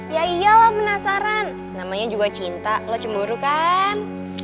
ya iyalah penasaran namanya juga cinta lo cemburu kan